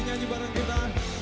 nyanyi bareng kita